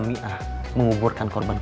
dan mereka juga menemukan tempat yang lebih baik